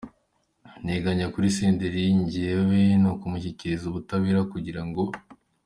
nteganya kuri Senderi njyewe ni ukumushyikiriza ubutabera kugira ngo.